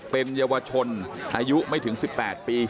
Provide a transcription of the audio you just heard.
เป็นเยาวชนอายุไม่ถึง๑๘ปี